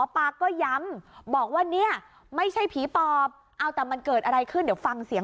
พระสงฆ์เนี่ยไล่ผีปอบได้มั้ย